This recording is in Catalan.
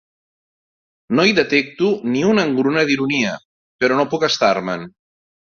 No hi detecto ni una engruna d'ironia, però no puc estar-me'n.